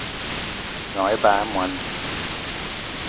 Gnong ebag í moní